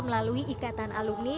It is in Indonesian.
melalui ikatan alumni